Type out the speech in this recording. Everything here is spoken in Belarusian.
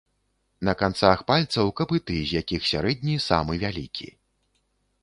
На канцах пальцаў капыты, з якіх сярэдні самы вялікі.